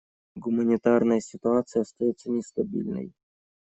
Гуманитарная ситуация остается нестабильной.